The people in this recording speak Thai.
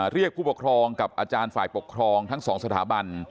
เรียกผู้ปกครองกับอาจารย์ฝ่ายปกครองทั้งสองสถาบัน